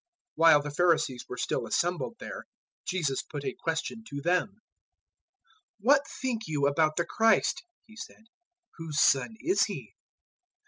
022:041 While the Pharisees were still assembled there, Jesus put a question to them. 022:042 "What think you about the Christ," He said, "whose son is He?"